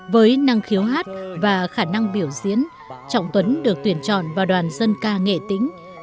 với năng khiếu hát và khả năng biểu diễn trọng tuấn được tuyển chọn vào đoàn dân ca nghệ tĩnh